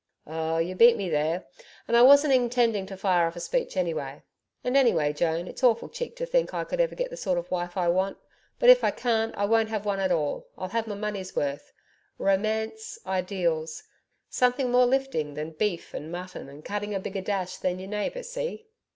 'Oh, you beat me there.... And I wasn't intending to fire off a speech anyway.... And anyway, Joan, its awful cheek to think I could ever get the sort of wife I want, but if I can't, I won't have one at all.... I'll have my money's worth. Romance Ideals something more LIFTING than beef and mutton and cutting a bigger dash than your neighbour.... See?'